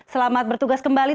selamat bertugas kembali